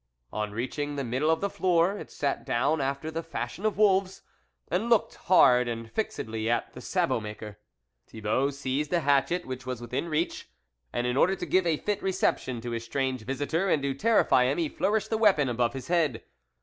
On reaching the middle of the floor, it sat down after the fashion of wolves, and looked hard and fixedly at ^the sabot maker. Thibault seized a hatchet which was within reach, and in order to give a fit reception to his strange visitor, and to terrify him, he flourished the weapon above his head.